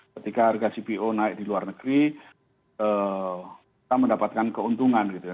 ketika harga cpo naik di luar negeri kita mendapatkan keuntungan gitu ya